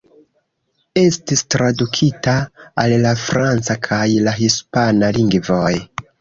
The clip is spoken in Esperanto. Estis tradukita al la franca kaj la hispana lingvoj.